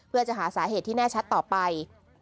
เพื่อจะหาสาเหตุที่แน่ชัดต่อไป